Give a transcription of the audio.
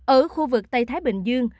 ở khu vực tây thái bình dương